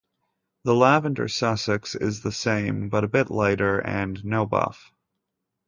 The Lavender Sussex is the same but a bit lighter and no buff.